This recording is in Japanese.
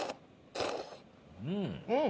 うん！